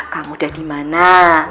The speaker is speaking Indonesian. kamu udah dimana